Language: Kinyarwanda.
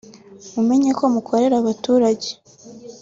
mumenyeko mukorera abaturage